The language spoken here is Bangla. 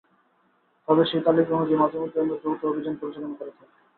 তাদের সেই তালিকা অনুযায়ী মাঝেমধ্যেই আমরা যৌথ অভিযান পরিচালনা করে থাকি।